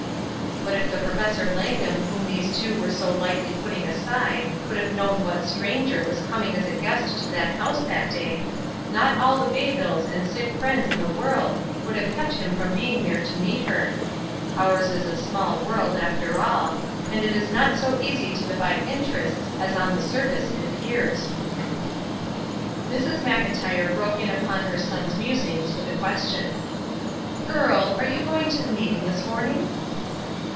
But if the Professor Langham whom these two were so lightly putting aside could have known what "stranger" was coming as a guest to that house that day, not all the Bayvilles and sick friends in the world would have kept him from being there to meet her. Ours is a small world, after all, and it is not so easy to divide interests as on the surface it appears. Mrs. Mclntyre broke in upon her son's musings with a question: — ''Earle, are you going to the meeting this morning?"